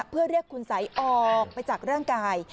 เพื่อเรียกคุณสัยออกไปจากร่างกาย